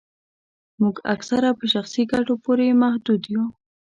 موږ اکثره په شخصي ګټو پوري محدود یو